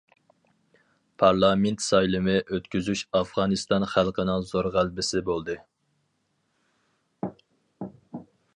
پارلامېنت سايلىمى ئۆتكۈزۈش ئافغانىستان خەلقىنىڭ زور غەلىبىسى بولدى.